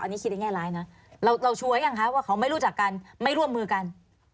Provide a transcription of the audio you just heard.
อันนี้คิดในแง่ร้ายนะเราชัวร์ยังคะว่าเขาไม่รู้จักกันไม่ร่วมมือกัน